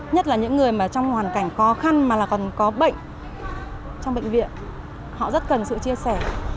nhất là những người mà trong hoàn cảnh khó khăn mà là còn có bệnh trong bệnh viện họ rất cần sự chia sẻ